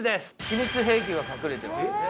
秘密兵器が隠れてます。